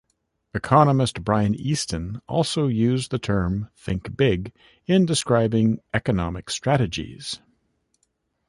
Economist Brian Easton also used the term "think big" in describing economic strategies.